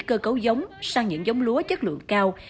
cơ cấu giống sang những giống lúa chất lượng cao